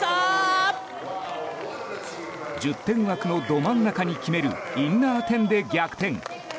１０点枠のど真ん中に決めるインナーテンで逆転。